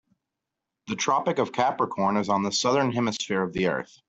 The Tropic of Capricorn is on the Southern Hemisphere of the earth.